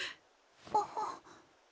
あっ。